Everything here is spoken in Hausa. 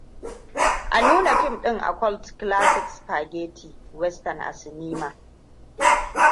A nuna fim ɗin A cult classic spaghetti western a sinima